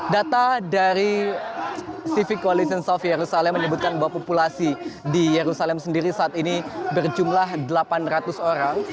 data dari civic coalition south yerusalem menyebutkan bahwa populasi di yerusalem sendiri saat ini berjumlah delapan ratus orang